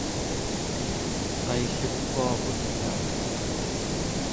qaillukuarutaa